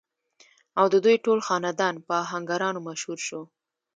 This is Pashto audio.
او ددوي ټول خاندان پۀ اهنګرانو مشهور شو ۔